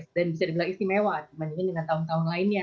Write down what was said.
dan bisa dibilang istimewa dibandingkan dengan tahun tahun lainnya